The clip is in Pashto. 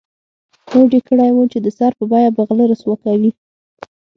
هوډ یې کړی و چې د سر په بیه به غله رسوا کوي.